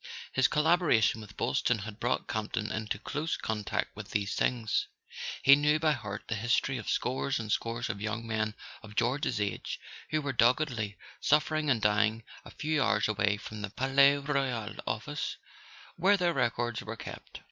His collaboration with Boylston had brought Campton into close contact with these things. He knew by heart the history of scores and scores of young men of George's age who were doggedly suffering and dying a few hours away from the Palais Royal office where their records were kept.